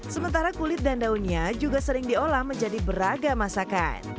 sementara kulit dan daunnya juga sering diolah menjadi beragam masakan